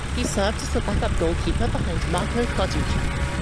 He served as the backup goalkeeper behind Marco Carducci.